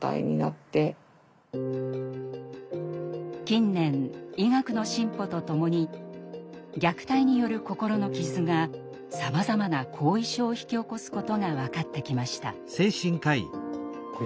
近年医学の進歩とともに虐待による心の傷がさまざまな後遺症を引き起こすことが分かってきました。